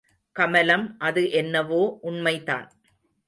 கமலம் அது என்னவோ உண்மைதான்.